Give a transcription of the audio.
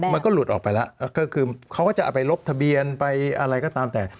มันก็หลุดออกไปแล้วก็คือเขาก็จะเอาไปลบทะเบียนไปอะไรก็ตามแต่